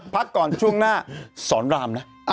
พักก่อนช่วงหน้าสอนรามนะ